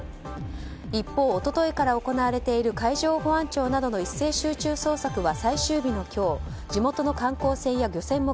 一方、一昨日から行われている海上保安庁などの一斉集中捜索は最終日の今日地元の観光船や漁船も